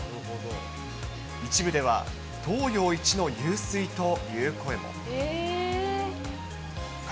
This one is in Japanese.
一部では東洋一の湧水という声も。